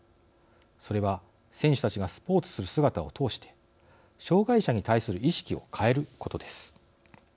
それは選手たちがスポーツする姿を通して障害者に対する意識を変えることです。